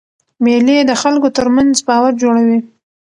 مېلې د خلکو ترمنځ باور جوړوي.